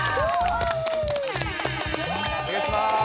おねがいします！